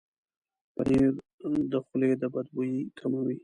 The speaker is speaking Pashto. پنېر د خولې د بد بوي کموي.